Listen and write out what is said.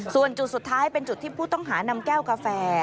ส่วนจุดสุดท้ายเป็นจุดที่ผู้ต้องหานำแก้วกาแฟ